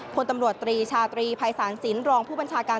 พลตำรวจตรีชาตรีภัยศาลสินรองผู้บัญชาการ